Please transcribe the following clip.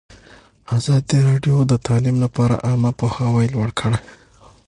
ازادي راډیو د تعلیم لپاره عامه پوهاوي لوړ کړی.